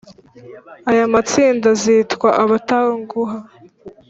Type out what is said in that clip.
aya matsinda azitwa abatanguha